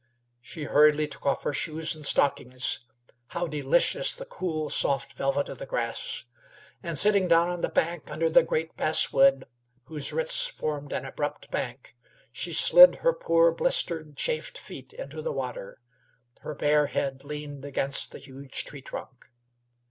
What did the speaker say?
She hurriedly took off her shoes and stockings how delicious the cool, soft velvet of the grass! and sitting down on the bank under the great basswood, whose roots formed an abrupt bank, she slid her poor blistered, chafed feet into the water, her bare head leaned against the huge tree trunk.